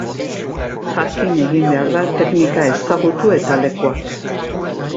Jakin egin behar da, teknika ezagutu eta lekuak.